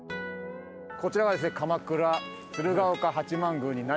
こちらがですね鎌倉鶴岡八幡宮になります。